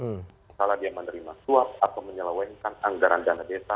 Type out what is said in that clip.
misalnya dia menerima suap atau menyelewengkan anggaran dana desa